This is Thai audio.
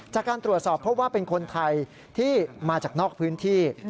จากการตรวจสอบเพราะว่าเป็นคนไทยที่มาจากนอกพื้นที่